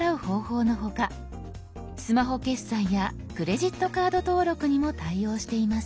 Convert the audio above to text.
スマホ決済やクレジットカード登録にも対応しています。